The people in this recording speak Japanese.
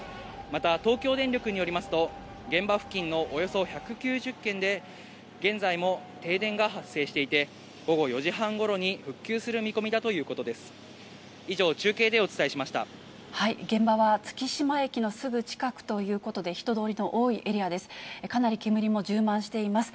また、東京電力によりますと、現場付近のおよそ１９０軒で、現在も停電が発生していて、午後４時半ごろに復旧する見込みだということです。